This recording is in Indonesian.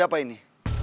ada apa ini